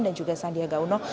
dan juga sandiaga uno